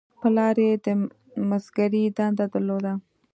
پلار یې د مسګرۍ دنده درلوده.